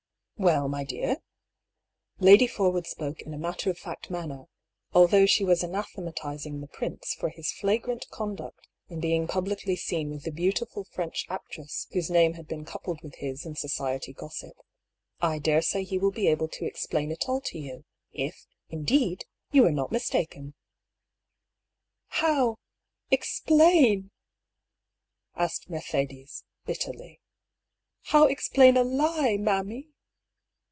" Well, my dear," — Lady Forwood spoke in a matter of fact manner, although she was anathematising the prince for his flagrant conduct in being publicly seen with the beautiful French actress whose name had been coupled with his in society gossip —" I daresay he will be able to explain it all to you, if, indeed, you were not mistaken." " How — explain f " asked Mercedes, bitterly. " How explain a lie^ mammy